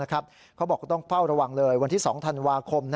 เขาบอกต้องเฝ้าระวังเลยวันที่๒ธันวาคม